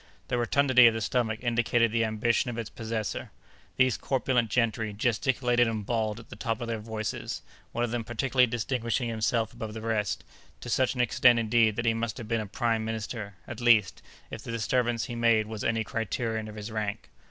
The rotundity of the stomach indicated the ambition of its possessor. These corpulent gentry gesticulated and bawled at the top of their voices—one of them particularly distinguishing himself above the rest—to such an extent, indeed, that he must have been a prime minister—at least, if the disturbance he made was any criterion of his rank.